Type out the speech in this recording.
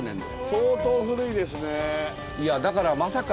相当古いですね。